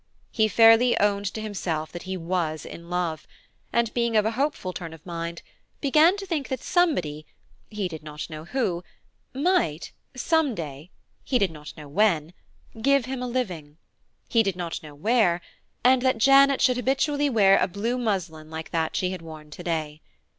He fairly owned to himself that he was in love, and, being of a hopeful turn of mind, began to think that somebody–he did not know who–might, some day–he did not know when–give him a living, he did not know where, and that Janet should habitually wear a blue muslin like that she had worn to day.